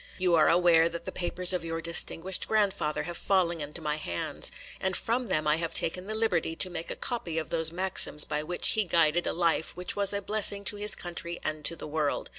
You are aware that the papers of your distinguished grandfather have fallen into my hands, and from them I have taken the liberty to make a copy of those maxims by which he guided a life which was a blessing to his country and to the world.